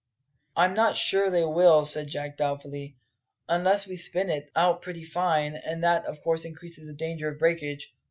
"I'm not sure they will," said Jack doubtfully, "unless we spin it, out pretty fine; and that, of course, increases the danger of breakage.